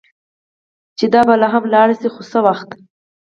چې دا به هم ولاړه شي، خو څه وخت.